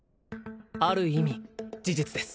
ある意味事実です